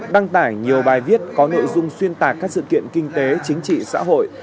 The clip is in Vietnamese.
đăng tải nhiều bài viết có nội dung xuyên tạc các sự kiện kinh tế chính trị xã hội